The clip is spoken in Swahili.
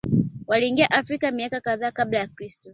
Waliingia Afrika miaka kadhaa Kabla ya Kristo